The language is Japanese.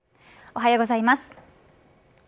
おはようございます。